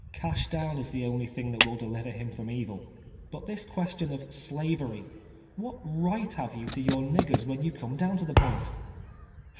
Cash down is the only thing that will deli\er him from evil. But this question of Slavery ^ what r'ujht have you to your niggers when you come down to the point